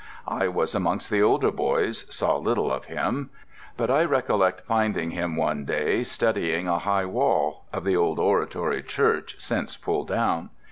I was amongst the older boys, saw little of him. But I recollect finding him cine day studying a high wall (of the old Oratory Church, since pulled down).